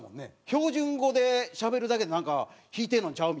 「標準語でしゃべるだけでなんか引いてんのちゃう？」